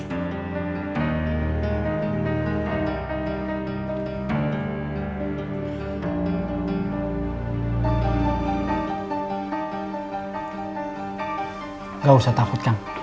tidak usah takutkan